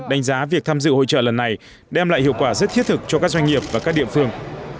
đánh giá việc tham dự hội trợ lần này đem lại hiệu quả rất thiết thực cho các doanh nghiệp và các địa phương